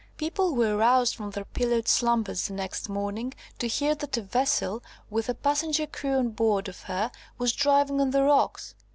People were roused from their pillowed slumbers the next morning to hear that a vessel, with a passenger crew on board of her, was driving on the rocks.